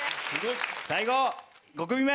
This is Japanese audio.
最後５組目。